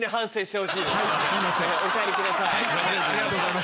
お帰りください。